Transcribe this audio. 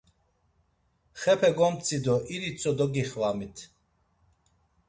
Xepe gomtzi do iritzo dogixvamit.